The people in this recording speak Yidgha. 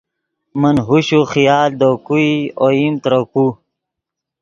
من ہوش و خیال دے کو ای اوئیم ترے کو